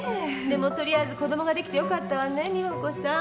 でも取りあえず子供ができてよかったわね美保子さん。